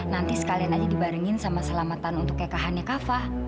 nanti sekalian aja dibarengin sama selamatan untuk kekahannya kava